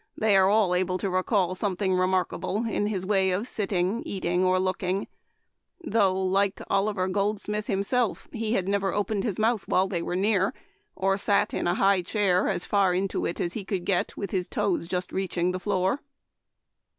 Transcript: they are all able to recall something remarkable in his way of sitting, eating, or looking, though, like Oliver Goldsmith himself, he had never opened his mouth while they were near, or sat in a high chair, as far into it as he could get, with his toes just reaching the floor.